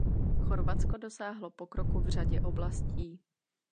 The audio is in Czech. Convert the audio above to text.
Chorvatsko dosáhlo pokroku v řadě oblastí.